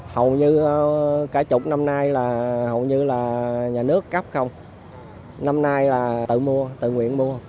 hầu như cả chục năm nay là nhà nước cấp không năm nay là tự mua tự nguyện mua